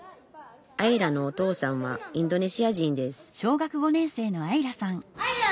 愛来のお父さんはインドネシア人です